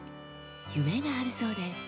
夢があるそうで。